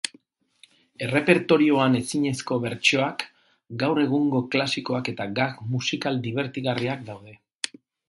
Errepertorioan ezinezko bertsioak, gaur egungo klasikoak eta gag musikal dibertigarriak daude.